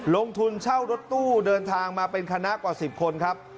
ลงทุนเช่ารถตู้เดินทางมาเป็นคณะกว่า๑๐คนครับ